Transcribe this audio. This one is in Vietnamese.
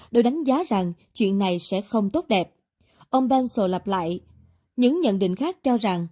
đều đánh giá rằng chuyện này sẽ không được